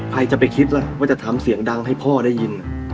ใครจะไปคิดล่ะว่าจะทำเสียงดังให้พ่อได้ยิน